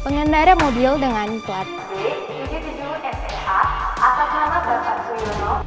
pengendara mobil dengan plat b tujuh puluh tujuh sea asal nama bapak sugiono